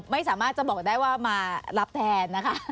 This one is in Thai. ไม่สามารถจะบอกได้ว่ามารับแทนนะคะ